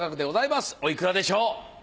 おいくらでしょう？